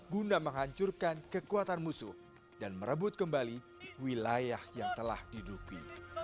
guna menghancurkan kekuatan musuh dan merebut kembali wilayah yang telah diduki